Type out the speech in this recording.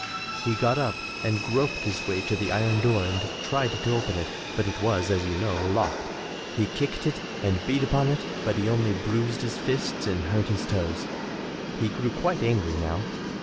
He got up and groped his way to the iron door and tried to open it, but it was, as you know, locked. He kicked it and beat upon it, but he only bruised his fists and hurt his toes. He grew quite angry now.